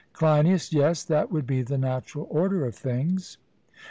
CLEINIAS: Yes, that would be the natural order of things.